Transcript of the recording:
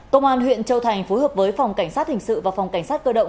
công an huyện châu thành phối hợp với phòng cảnh sát hình sự và phòng cảnh sát cơ động